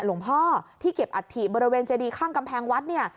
หลวงพ่อที่เก็บอัฐิบริเวณเจดีข้างกำแพงวัดเนี่ย